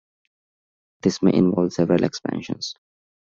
This may involve several expansions.